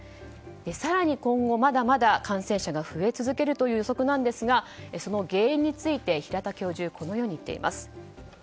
更に今後、まだまだ感染者が増え続けるという予測ですがその原因について平田教授はこのように言っています。